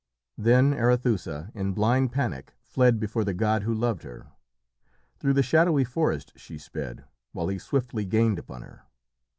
Then Arethusa, in blind panic, fled before the god who loved her. Through the shadowy forest she sped, while he swiftly gained upon her.